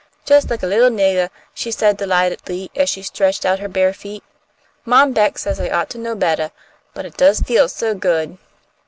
"Just like a little niggah," she said, delightedly, as she stretched out her bare feet. "Mom Beck says I ought to know bettah. But it does feel so good!"